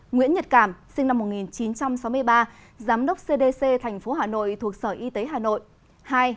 một nguyễn nhật cảm sinh năm một nghìn chín trăm sáu mươi ba giám đốc cdc thành phố hà nội thuận sở y tế hà nội